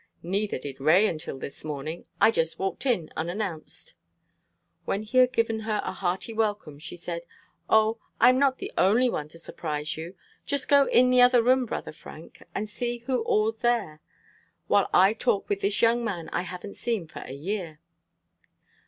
"Neither did Ray until this morning. I just walked in unannounced." When he had given her a hearty welcome she said: "O, I'm not the only one to surprise you. Just go in the other room, Brother Frank, and see who all's there, while I talk with this young man I haven't seen for a year."